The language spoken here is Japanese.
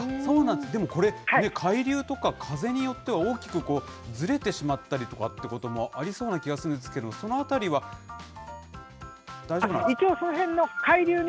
でも海流とか風によって、大きくずれてしまったりとかっていうこともありそうな気がするんですけど、そのあたりは大丈夫なんですか。